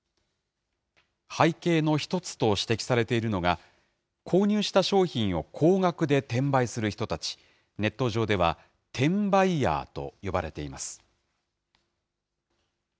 背景の一つと指摘されているのが、購入した商品を高額で転売する人たち、ネット上では転売ヤーと呼ばれています。